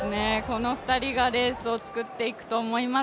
この２人がレースを作っていくと思います。